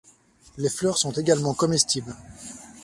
Les fleurs sont également comestibles.